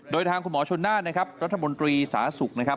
โดยทางคุณหมอชนหน้านะครับรัฐบนตรีสถานศึกษ์นะครับ